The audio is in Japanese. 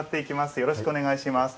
よろしくお願いします。